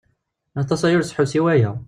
Aṭas aya ur tesḥus i waya.